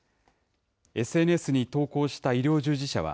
ＳＮＳに投稿した医療従事者は、